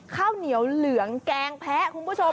ข้าวเหนียวเหลืองแกงแพ้คุณผู้ชม